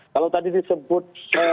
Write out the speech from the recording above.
kalau tadi disebut